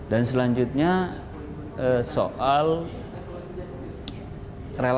dan selanjutnya soal relasi kelompok gulen dengan otoritas yang ada di turki juga menjadi problematika tersentuh